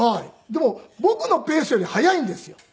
でも僕のペースより速いんですよ。